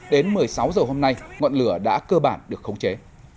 đến một mươi sáu h hôm nay ngọn lửa đã cơ bản được khống chế